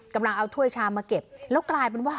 กำลังเอาถ้วยชามมาเก็บแล้วกลายเป็นว่า